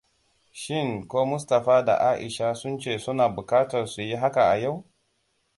Shin ko Mustapha da Aisha sun ce suna bukatar su yi haka a yau?